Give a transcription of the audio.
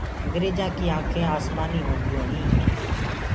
انگيرجآن ڪي آنکينٚ آسمآني هونديو هينٚ۔